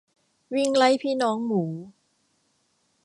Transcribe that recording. วิ่งไล่พี่น้องหมู